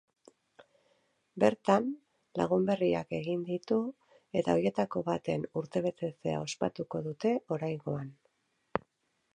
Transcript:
Bertan, lagun berriak egin ditu eta hoietako baten urtebetzea ospatuko dute oraingoan.